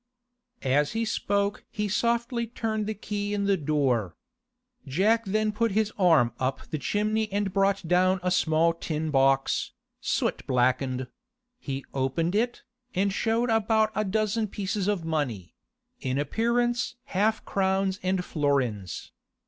As he spoke he softly turned the key in the door. Jack then put his arm up the chimney and brought down a small tin box, soot blackened; he opened it, and showed about a dozen pieces of money—in appearance half crowns and florins.